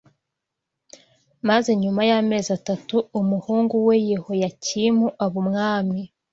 maze nyuma y’amezi atatu umuhungu we Yehoyakimu aba umwami